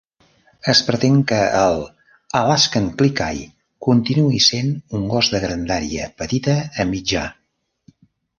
Es pretén que el Alaskan Klee Kai continuï sent un gos de grandària petita a mitjà.